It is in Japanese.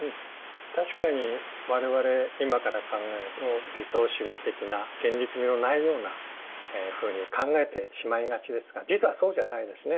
確かに我々今から考えると理想主義的な現実味のないようなふうに考えてしまいがちですが実はそうじゃないですね。